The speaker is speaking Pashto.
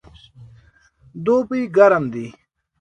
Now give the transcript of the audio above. دوبی ګرم دی